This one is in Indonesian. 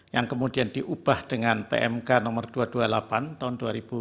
yang kemudian diubah dengan pmk nomor dua ratus dua puluh delapan tahun dua ribu dua puluh